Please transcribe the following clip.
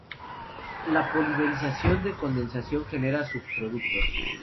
La polimerización por condensación genera subproductos.